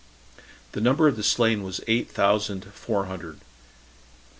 The number of the slain was eight thousand four hundred.